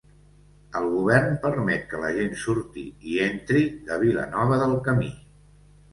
El govern permet que la gent surti i entri de Vilanova del Camí